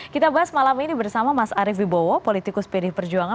kita bahas malam ini bersama mas arief bibowo politikus pd perjuangan